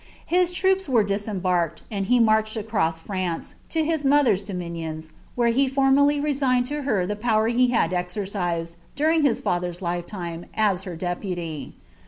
His oops were disembarked, and he marched across France, to his mother^s ominions, where he formally resigned to her the power he had exer ised, during his father's lifetime, as her deputy.